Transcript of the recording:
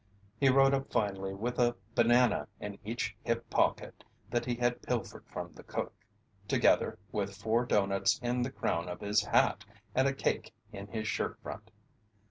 He rode up finally with a banana in each hip pocket that he had pilfered from the cook, together with four doughnuts in the crown of his hat and a cake in his shirt front.